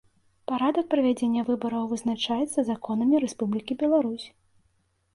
Парадак правядзення выбараў вызначаецца законамі Рэспублікі Беларусь.